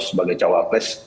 sebagai cowok les